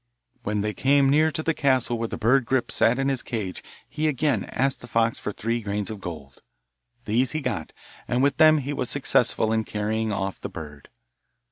When they came near to the castle where the bird Grip sat in his cage he again asked the fox for three grains of gold. These he got, and with them he was successful in carrying off the bird.